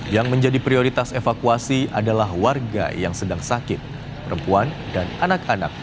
yang menjadi prioritas evakuasi adalah warga yang sedang sakit perempuan dan anak anak